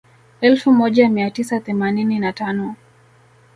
Elfu moja mia tisa themanini na tano